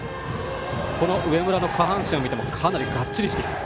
この上村の下半身を見てもかなりがっちりしています。